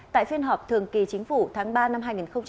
tại phiên họp thường kỳ chính phủ tháng ba năm hai nghìn hai mươi